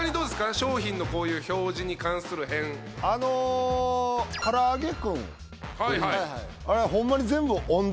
商品のこういう表示に関する変あのからあげクンはいはいあれは雄鶏？